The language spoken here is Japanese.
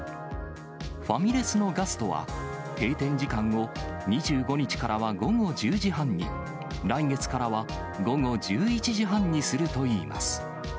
ファミレスのガストは、閉店時間を２５日からは午後１０時半に、来月からは午後１１時半にするといいます。